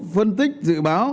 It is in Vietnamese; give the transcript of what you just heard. phân tích dự báo